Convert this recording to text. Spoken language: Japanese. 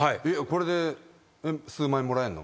これで数万円もらえんの？